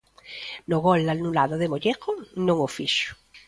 No gol anulado de Mollejo non o fixo.